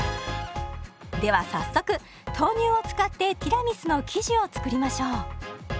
では早速豆乳を使ってティラミスの生地を作りましょう。